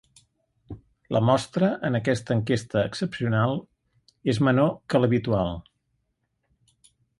La mostra, en aquesta enquesta excepcional, és menor que l’habitual.